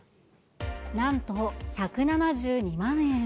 なんと１７２万円。